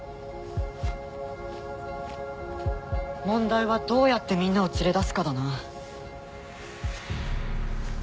問題はどうやってみんなを連れ出すかだな。